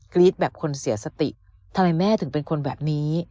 รี๊ดแบบคนเสียสติทำไมแม่ถึงเป็นคนแบบนี้